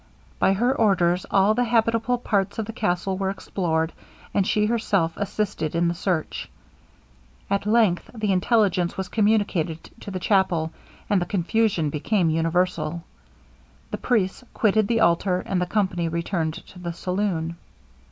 By her orders all the habitable parts of the castle were explored, and she herself assisted in the search. At length the intelligence was communicated to the chapel, and the confusion became universal. The priest quitted the altar, and the company returned to the saloon.